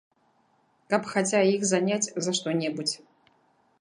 Каб хаця іх заняць за што-небудзь.